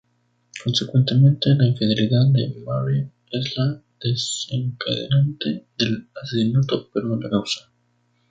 Consecuentemente la infidelidad de Marie es el desencadenante del asesinato pero no la causa.